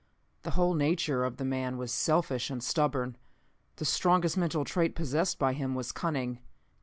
The whole nature of the man was selfish and stubborn. The strongest mental trait possessed by him was cunning.